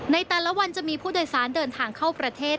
ในแต่ละวันจะมีผู้โดยสารเดินทางเข้าประเทศ